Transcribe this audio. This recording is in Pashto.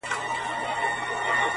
بيزو وان سو په چغارو په نارو سو؛